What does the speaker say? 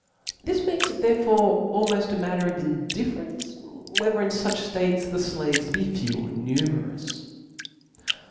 This makes it therefore almoft a matter of indifference whether in fuch ftates the flaves ^e few or numerous.